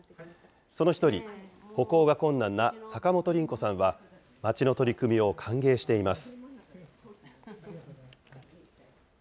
その１人、歩行が困難な坂本林子さんは、町の取り組みを歓迎しています。